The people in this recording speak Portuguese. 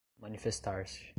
manifestar-se